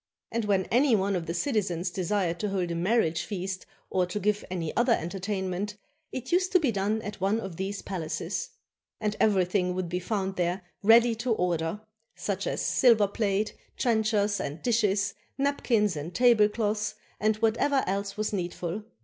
And when any one of the citizens desired to hold a marriage feast or to give any other entertainment, it used to be done at one of these palaces. And everything would be found there ready to order, such as silver plate, trenchers, and dishes, napkins, and tablecloths, and whatever else was needful.